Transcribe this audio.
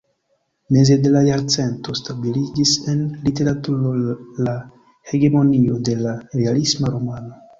Meze de la jarcento stabiliĝis en literaturo la hegemonio de la realisma romano.